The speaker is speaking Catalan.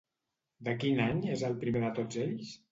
De quin any és el primer de tots ells?